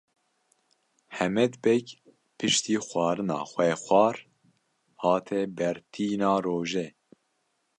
Hemed Beg piştî xwarina xwe xwar hate ber tîna rojê.